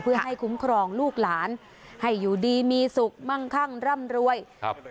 เพื่อให้คุ้มครองลูกหลานให้อยู่ดีมีสุขมั่งคั่งร่ำรวยครับ